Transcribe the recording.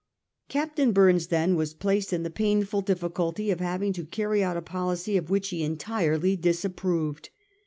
Captain Burnes then was placed in the painful difficulty of having to carry out a policy of which he entirely disapproved.